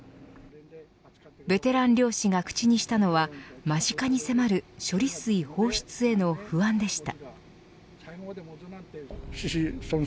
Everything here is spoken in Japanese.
ベテラン漁師が口にしたのは間近に迫る処理水放出への不安でした。